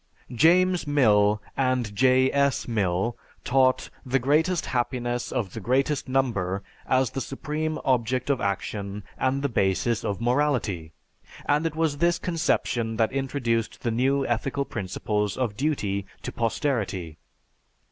James Mill and J. S. Mill taught the greatest happiness of the greatest number as the supreme object of action and the basis of morality. And it was this conception that introduced the new ethical principles of duty to posterity.